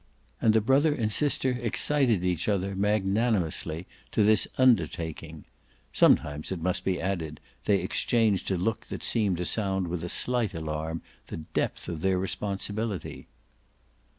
And the brother and sister excited each other magnanimously to this undertaking. Sometimes, it must be added, they exchanged a look that seemed to sound with a slight alarm the depth of their responsibility.